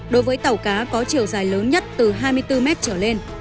đối với tàu cá có chiều dài lớn nhất từ hai mươi bốn mét trở lên